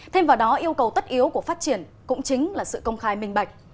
thêm vào đó yêu cầu tất yếu của phát triển cũng chính là sự công khai minh bạch